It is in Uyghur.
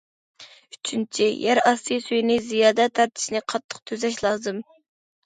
ئۈچىنچى، يەر ئاستى سۈيىنى زىيادە تارتىشنى قاتتىق تۈزەش لازىم.